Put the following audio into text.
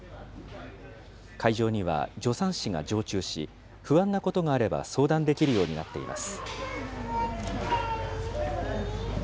会場には、助産師が常駐し、不安なことがあれば、相談できるようになっています。